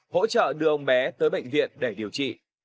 hỗ trợ đưa ông bé tới bệnh viện để điều trị